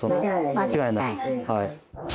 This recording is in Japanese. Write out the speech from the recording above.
間違いないはい。